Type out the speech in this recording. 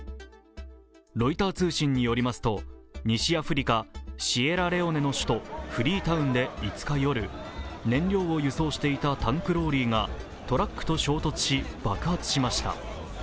ロイター通信によりますと西アフリカ・シエラレオネの首都フリータウンで、燃料を輸送していたタンクローリーがトラックと衝突し、爆発しました。